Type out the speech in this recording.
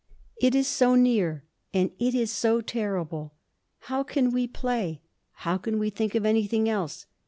It is so near. And it is so terrible. How can we play? How can we think of anything else?